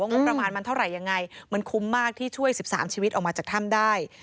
งบประมาณมันเท่าไหร่ยังไงมันคุ้มมากที่ช่วย๑๓ชีวิตออกมาจากถ้ำได้